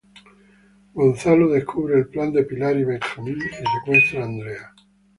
Gonzalo descubre el plan de Pilar y Benjamín y secuestra a Andrea.